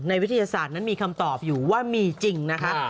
วิทยาศาสตร์นั้นมีคำตอบอยู่ว่ามีจริงนะคะ